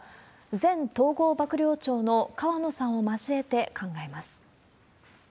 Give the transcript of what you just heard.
前統合幕僚長の河野さんを交えて考えます。